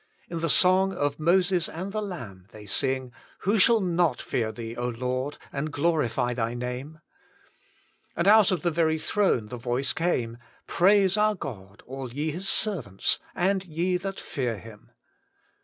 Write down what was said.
In the song of Moses and the Lamb they sing, * Who shall not fear Thee, Lord, and glorify Thy name ?' And out of the very throne the voice came, * Praise our God, all ye His servants^ and ye that fear Him.'